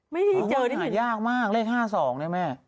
ไม่ได้ยินเจอนิดนึงหาอย่างยากมากเลข๕๒เนี่ยแม่